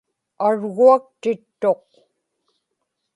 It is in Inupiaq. arguaktittuq